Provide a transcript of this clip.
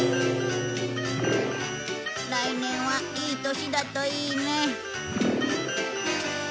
来年はいい年だといいね。